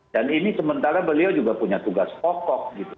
dan ini sementara beliau juga punya tugas pokok gitu